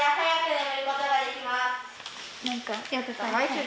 なんかやってた？